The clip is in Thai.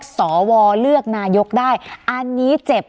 การแสดงความคิดเห็น